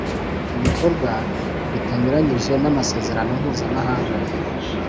Ibikorwa bitanyuranyije n’Amasezerano Mpuzamahanga